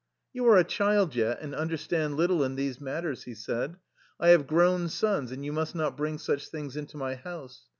"" You are a child yet and understand little in these matters," he said. " I have grown sons, and you must not bring such things into my house.